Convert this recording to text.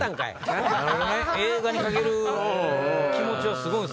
映画に懸ける気持ちはすごい。